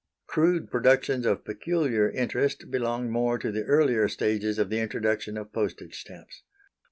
Crude productions of peculiar interest belong more to the earlier stages of the introduction of postage stamps.